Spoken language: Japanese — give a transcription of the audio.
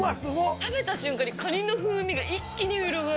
食べた瞬間にカニの風味が一気に広がる。